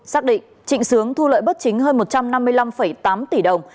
xác định trịnh sướng thu lợi bất chính hơn một trăm năm mươi năm tám tỷ đồng